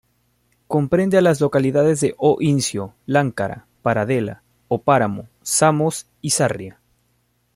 Comprende a las localidades de O Incio, Láncara, Paradela, O Páramo, Samos y Sarria.